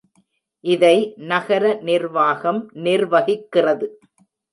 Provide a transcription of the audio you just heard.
இதை நகர நிர்வாகம் நிர்வகிக்கிறது.